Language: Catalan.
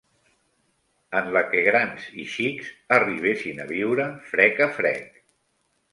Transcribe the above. ...en la que grans i xics arribessin a viure frec a frec